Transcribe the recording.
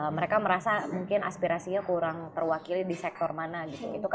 mereka merasa mungkin aspirasinya kurang terwakili di sektor mana gitu